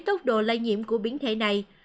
tốc độ lây nhiễm của biến thể này